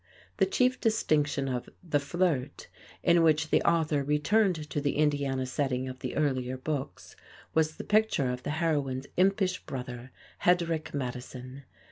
The chief distinction of "The Flirt," in which the author returned to the Indiana setting of the earlier books, was the picture of the heroine's impish brother, Hedrick Madison.